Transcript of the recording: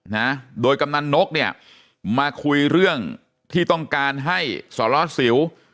นะโดยกำนันนกเนี่ยมาคุยเรื่องที่ต้องการให้สรสิว